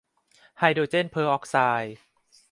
ไฮโดรเจนเพอร์ออกไซด์